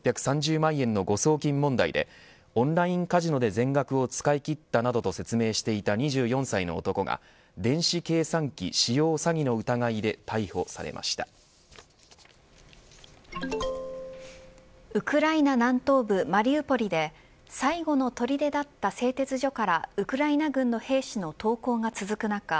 円の誤送金問題でオンラインカジノで全額を使い切ったなどと説明していた２４歳の男が電子計算機使用詐欺の疑いでウクライナ南東部マリウポリで最後のとりでだった製鉄所からウクライナ軍の兵士の投降が続く中